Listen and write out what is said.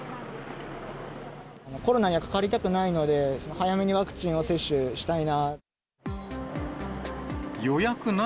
コロナにはかかりたくないので、早めにワクチンを接種したいな。